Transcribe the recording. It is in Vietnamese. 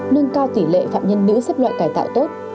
nâng cao tỷ lệ phạm nhân nữ xếp loại cải tạo tốt